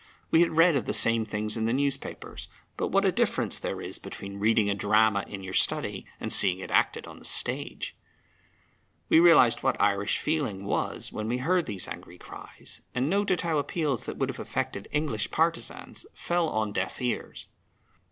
We had read of the same things in the newspapers, but what a difference there is between reading a drama in your study and seeing it acted on the stage! We realized what Irish feeling was when we heard these angry cries, and noted how appeals that would have affected English partisans fell on deaf ears.